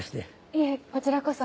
いえこちらこそ。